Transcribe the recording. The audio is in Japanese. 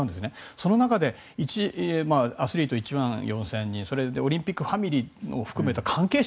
その中でアスリート１万４０００人オリンピックファミリーを含めた関係者